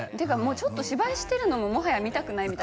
ちょっと芝居してるのももはや見たくないみたいな感じ